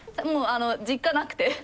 もうあの実家なくて。